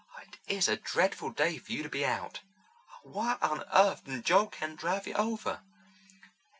It is a dreadful day for you to be out. Why on earth didn't Joel Kent drive you over?"